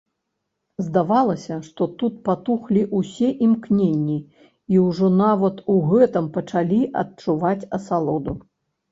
Здавалася, што тут патухлі ўсе імкненні і ўжо нават у гэтым пачалі адчуваць асалоду.